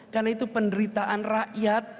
karena itu penderitaan rakyat